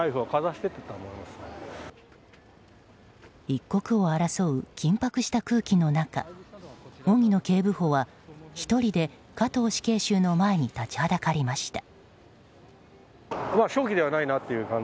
一刻を争う緊迫した空気の中荻野警部補は１人で加藤死刑囚の前に立ちはだかりました。